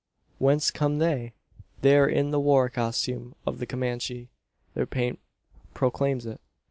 Whence come they? They are in the war costume of the Comanche. Their paint proclaims it.